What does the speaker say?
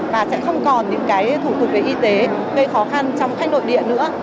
và sẽ không còn những cái thủ tục về y tế gây khó khăn trong khách nội địa nữa